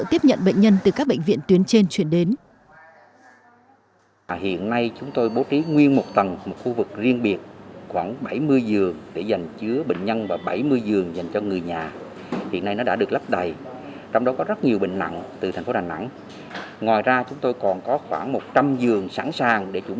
tiếp nhận bệnh nhân từ các bệnh viện tuyến trên chuyển đến